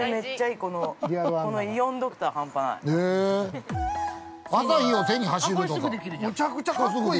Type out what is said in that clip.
このイオンドクター、ハンパない。